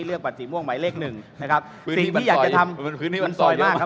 เลือกบัตรสีม่วงหมายเลขหนึ่งนะครับพื้นที่มันซอยมันซอยมากครับ